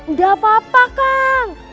udah apa apa kang